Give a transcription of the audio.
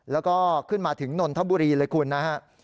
แล้วก็ขึ้นมาถึงนนทบุรีเลยคุณนะฮะ